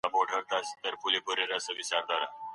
دا شک ئې د طلاق د لغوي سبب کيږي.